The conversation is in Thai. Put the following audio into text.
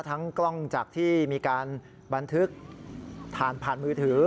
ทั้งกล้องจากที่มีการบันทึกผ่านมือถือ